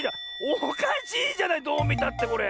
おかしいじゃないどうみたってこれ。